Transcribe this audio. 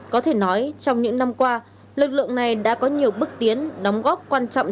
có thể nói trong những năm qua lực lượng này đã có nhiều bước tiến đóng góp quan trọng